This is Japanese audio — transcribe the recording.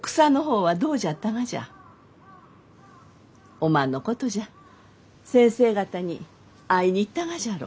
おまんのことじゃ先生方に会いに行ったがじゃろ？